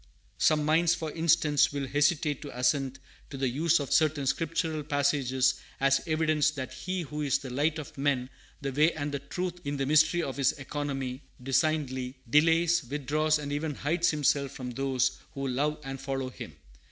Some minds, for instance, will hesitate to assent to the use of certain Scriptural passages as evidence that He who is the Light of men, the Way and the Truth, in the mystery of His economy, designedly "delays, withdraws, and even hides Himself from those who love and follow Him."